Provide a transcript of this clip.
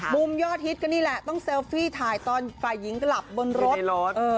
ยอดฮิตก็นี่แหละต้องเซลฟี่ถ่ายตอนฝ่ายหญิงกลับบนรถ